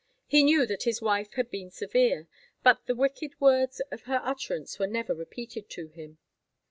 He knew that his wife had been severe, but the wicked words of her utterance were never repeated to him.